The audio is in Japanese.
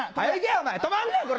お前止まんなこら！